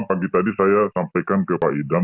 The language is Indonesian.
pagi tadi saya sampaikan ke pak idam